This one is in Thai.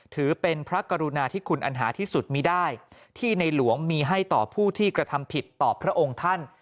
ถือเป็นพระกรุณาที่คุณอันหาที่สุดมีได้ที่ในหลวงมีให้ต่อผู้ที่กระทำผิดต่อพระองค์ท่าน